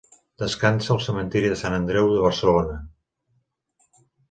Descansa al Cementiri de Sant Andreu de Barcelona.